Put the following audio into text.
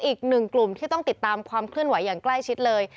อีกหนึ่งกลุ่มที่ต้องติดตามความเคลื่อนไหวอย่างใกล้ชิดเลย